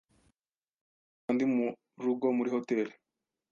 Sinshobora kumva ndi murugo muri hoteri.